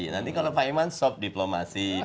nanti kalau pak iman sob diplomasi